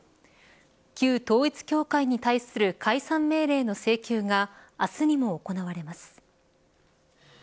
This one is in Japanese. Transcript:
旧統一教会に対する解散命令の請求が明日にも行われます。